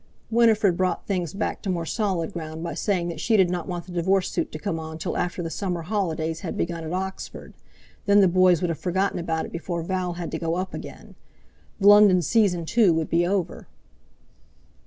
Winifred brought things back to more solid ground by saying that she did not want the divorce suit to come on till after the summer holidays had begun at Oxford, then the boys would have forgotten about it before Val had to go up again; the London season too would be over.